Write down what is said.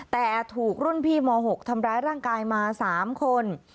แต่ถูกรุ่นพี่ม๖ทำร้ายร่างกายมา๓คน